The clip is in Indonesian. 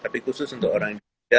tapi khusus untuk orang jogja